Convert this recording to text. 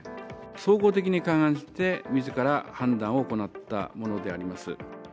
総合的に勘案して、みずから判断を行ったものであります。